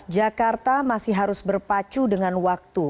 jakarta masih harus berpacu dengan waktu